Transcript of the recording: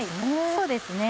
そうですね。